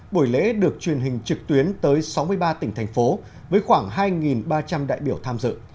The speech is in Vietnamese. buổi lễ được truyền hình trực tuyến tới sáu mươi ba tỉnh thành phố với khoảng hai ba trăm linh đại biểu tham dự